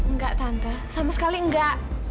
nggak tante sama sekali nggak